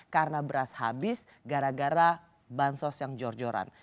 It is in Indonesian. karena beras habis gara gara bansos yang jor joran